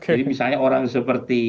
jadi misalnya orang seperti